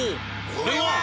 これは！